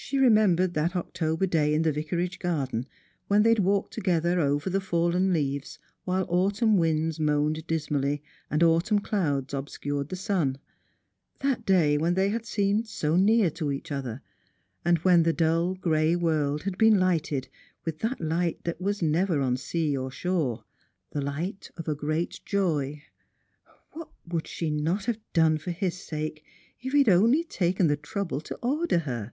She remembered that October day in the Vicarage garden when they had walked together over the fallen leaves, while autumn winds moaned dis mally, and autumn clouds obscured the sun — that day when they had seemed so near to each other, and when the dull gray world had been lighted with that hght that never was on sea or shore — the light of a great joy. What would she not have done for hia sake, if he had only taken the trouble to order her.